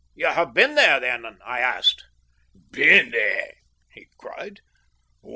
"You have been there, then?" I asked. "Been there!" he cried.